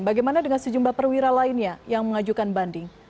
bagaimana dengan sejumlah perwira lainnya yang mengajukan banding